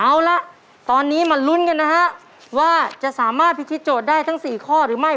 เอาละตอนนี้มาลุ้นกันนะฮะว่าจะสามารถพิธีโจทย์ได้ทั้ง๔ข้อหรือไม่